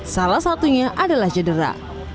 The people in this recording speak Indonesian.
salah satunya adalah jadera